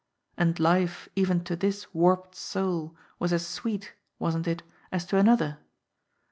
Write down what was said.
And life even to this warped soul was as sweet, wasn't it, as to another